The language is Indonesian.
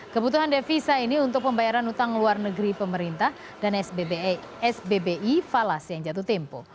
kebutuhan devisa ini untuk pembayaran utang luar negeri pemerintah dan sbbi falas yang jatuh tempo